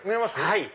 はい。